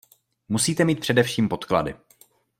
Musíte mít především podklady.